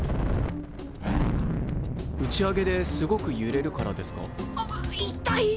打ち上げですごくゆれるからですか？